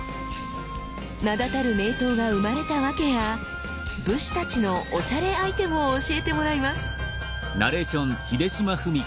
名だたる名刀が生まれたワケや武士たちのおしゃれアイテムを教えてもらいます。